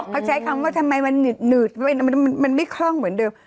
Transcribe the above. เขาใช้คำว่าทำไมมันหนืดหนืดมันมันมันมันไม่คล่องเหมือนเดิม